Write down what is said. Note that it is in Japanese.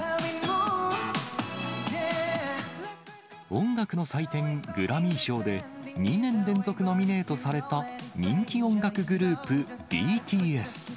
音楽の祭典、グラミー賞で、２年連続ノミネートされた人気音楽グループ、ＢＴＳ。